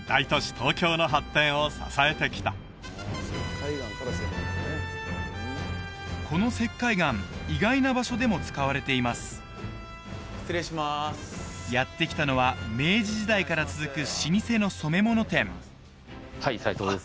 東京の発展を支えてきたこの石灰岩意外な場所でも使われています失礼しますやって来たのは明治時代から続く老舗の染物店齋藤です